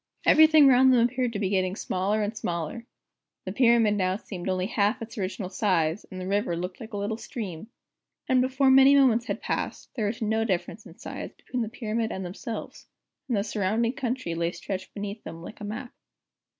Everything round them appeared to be getting smaller and smaller. The Pyramid now seemed only half its original size, and the river looked like a little stream. And before many moments had passed, there was no difference in size between the Pyramid and themselves, and the surrounding country lay stretched beneath them like a map.